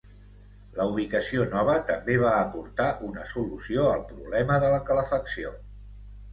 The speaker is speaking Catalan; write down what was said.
La ubicació nova també va aportar una solució al problema de la calefacció.